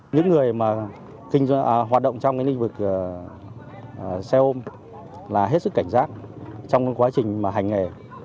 những người hoạt động trong cái lĩnh vực xe ôm là hết sức cảnh giác trong quá trình hành nghề